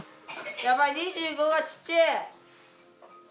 やばい２５がちっちぇ！